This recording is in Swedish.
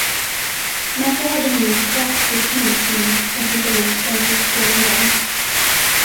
Märta hörde nu en kraftig fnysning och tittade upp från sitt stenogram.